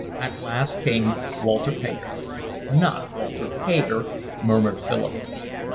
At last came Walter Pater. "Not Walter Pater," murmured Philip.